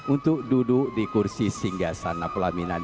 untuk duduk di kursi singgah sana pelaminan